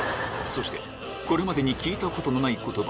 そしてこれまでに聞いたことのない言葉